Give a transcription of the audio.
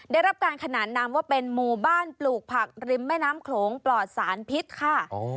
ได้รับการขนานนามว่าเป็นหมู่บ้านปลูกผักริมแม่น้ำโขลงปลอดสารพิษค่ะ